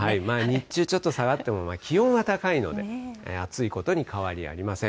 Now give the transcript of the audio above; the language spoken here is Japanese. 日中、ちょっと下がっても、気温は高いので、暑いことに変わりありません。